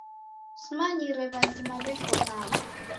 Simanyire w'azima w'eko hao.